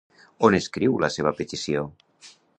On escriu la seva petició?